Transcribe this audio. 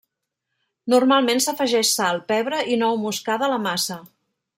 Normalment s'afegeix sal, pebre, i nou moscada a la massa.